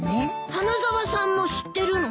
花沢さんも知ってるの？